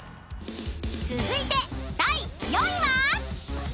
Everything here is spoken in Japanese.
［続いて第４位は？］